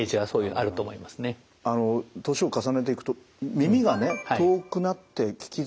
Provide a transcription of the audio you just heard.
あの年を重ねていくと耳がね遠くなって聞きづらい